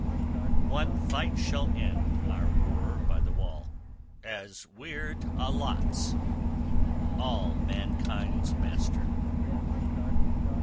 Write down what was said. One fight shall end our war by the wall, as Wyrd allots, all mankind's master.